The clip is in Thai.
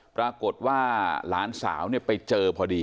ปรากฏว่าหลานสาวไปเจอพอดี